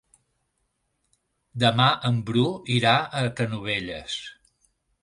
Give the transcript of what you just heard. Demà en Bru irà a Canovelles.